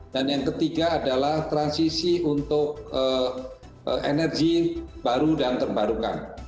dan yang ketiga adalah transisi untuk energi baru dan terbarukan